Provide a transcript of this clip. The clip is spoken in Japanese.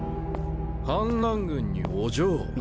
反乱軍にお嬢？